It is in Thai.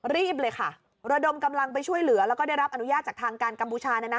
รีบเลยค่ะระดมกำลังไปช่วยเหลือแล้วก็ได้รับอนุญาตจากทางการกัมพูชา